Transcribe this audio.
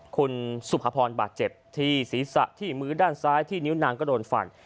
คุณสุภพรบาดเจ็บที่ศีรษะที่มือด้านซ้ายที่นิ้วนางก็โดนฟัน